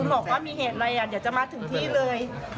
บอกว่ามีเหตุอะไรเดี๋ยวจะมาถึงที่เลย